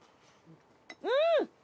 うん！